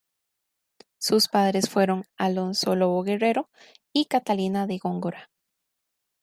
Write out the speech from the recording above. Sus padres fueron Alonso Lobo Guerrero y Catalina de Góngora.